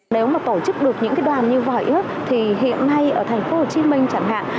nếu mà tổ chức được những đoàn như vòi ước thì hiện nay ở thành phố hồ chí minh chẳng hạn